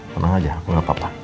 tenang aja aku gak apa apa